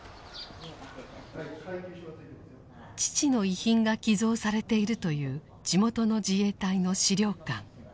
父の遺品が寄贈されているという地元の自衛隊の資料館。